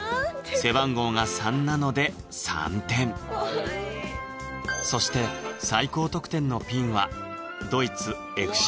背番号が３なので３点そして最高得点のピンはドイツ・ＦＣ